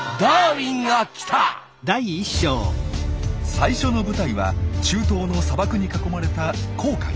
最初の舞台は中東の砂漠に囲まれた紅海。